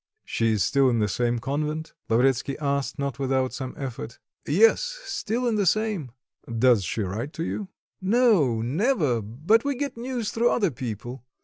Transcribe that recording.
"She is still in the same convent?" Lavretsky asked, not without some effort. "Yes, still in the same." "Does she write to you?" "No, never; but we get news through other people."